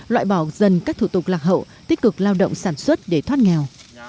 loại bỏ dần các thủ tục lạc hậu tích cực lao động sản xuất để thoát nghèo